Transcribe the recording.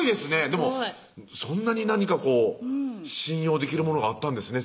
でもそんなに何か信用できるものがあったんですね